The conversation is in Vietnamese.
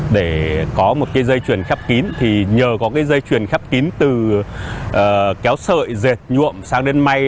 để có một dây chuyền khép kính nhờ có dây chuyền khép kính từ kéo sợi dệt nhuộm sang đến mây